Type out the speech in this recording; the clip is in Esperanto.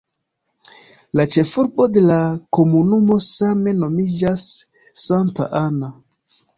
La ĉefurbo de la komunumo same nomiĝas "Santa Ana".